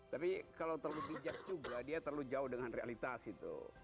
tapi kalau terlalu bijak juga dia terlalu jauh dengan realitas itu